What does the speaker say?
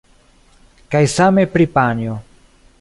Kaj same pri panjo.